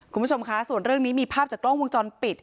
คุณผู้ชมคะส่วนเรื่องนี้มีภาพจากกล้องวงจรปิด